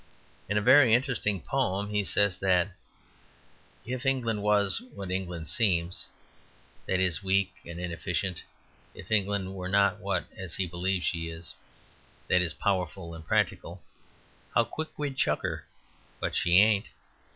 In a very interesting poem, he says that "If England was what England seems" that is, weak and inefficient; if England were not what (as he believes) she is that is, powerful and practical "How quick we'd chuck 'er! But she ain't!"